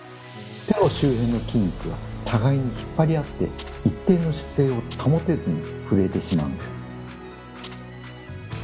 手の周辺の筋肉が互いに引っ張り合って一定の姿勢を保てずに震えてしまうんです。